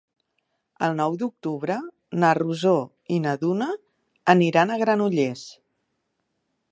El nou d'octubre na Rosó i na Duna aniran a Granollers.